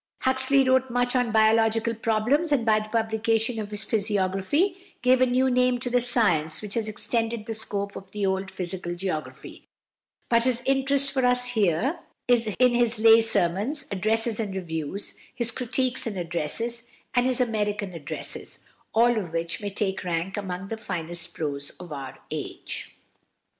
Huxley wrote much on biological problems, and by the publication of his "Physiography" gave a new name to the science which has extended the scope of the old Physical Geography: but his chief interest for us here is in his "Lay Sermons," "Addresses and Reviews," his "Critiques and Addresses," and his "American Addresses," all of which may take rank among the finest prose of our age.